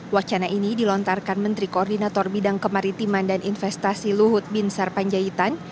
wacana ini dilontarkan menteri koordinator bidang kemaritiman dan investasi luhut binsar panjaitan